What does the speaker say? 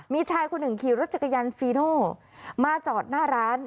มีชายคนหนึ่งขี่รถจักรยานฟีโน่มาจอดหน้าร้าน